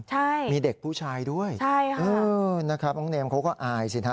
ใช่ค่ะมีเด็กผู้ชายด้วยนะครับน้องเนมเขาก็อายสินะ